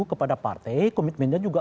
kepada partai komitmennya juga